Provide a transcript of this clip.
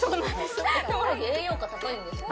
コオロギ栄養価高いんですか？